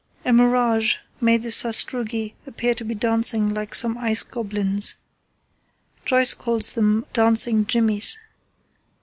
A mirage made the sastrugi appear to be dancing like some ice goblins. Joyce calls them 'dancing jimmies.